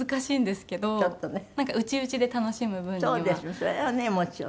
それはねもちろん。